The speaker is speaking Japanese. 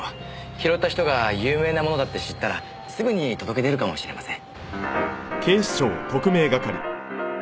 拾った人が有名なものだって知ったらすぐに届け出るかもしれません。